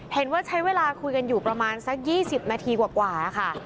ใช้เวลาคุยกันอยู่ประมาณสัก๒๐นาทีกว่าค่ะ